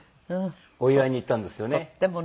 お祝いに行ったんですよね。